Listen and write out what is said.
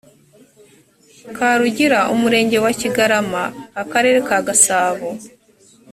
karugira umurenge wa kigarama akarere ka gasabo